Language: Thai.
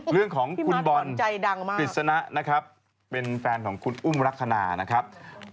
เรื่องของคุณบอลติศนะนะครับเป็นแฟนของคุณอุ้มรักษณานะครับอีกแล้ว